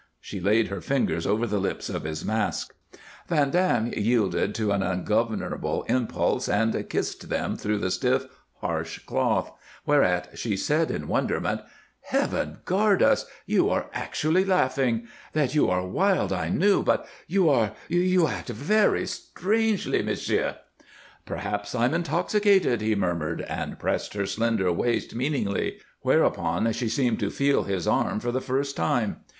She laid her fingers over the lips of his mask. Van Dam yielded to an ungovernable impulse and kissed them through the stiff, harsh cloth, whereat she said in wonderment: "Heaven guard us! You are actually laughing. That you are wild, I knew; but you are you act very strangely, m'sieu." "Perhaps I'm intoxicated," he murmured, and pressed her slender waist meaningly; whereupon she seemed to feel his arm for the first time.